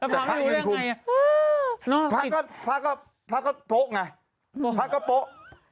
แต่พระยืนคุมพระก็พระก็โป๊ะไงพระก็โป๊ะ